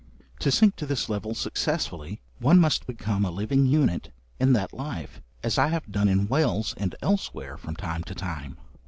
To sink to this level successfully, one must become a living unit in that life, as I have done in Wales and elsewhere, from time to time.